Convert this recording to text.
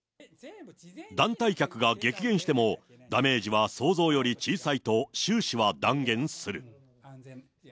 団体客が激減しても、ダメージは想像より小さいと周氏は断言する。